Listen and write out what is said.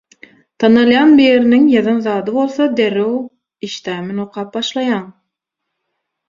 Tanalýan biriniň ýazan zady bolsa derrew, işdämen okap başlaýaň.